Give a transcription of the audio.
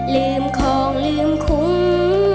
ลืมของลืมคุ้ม